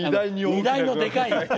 荷台のでかいやつ。